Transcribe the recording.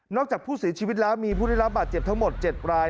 จากผู้เสียชีวิตแล้วมีผู้ได้รับบาดเจ็บทั้งหมด๗ราย